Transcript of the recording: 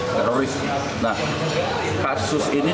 pernah hari ini